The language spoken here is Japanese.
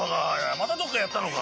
またどっかやったのか？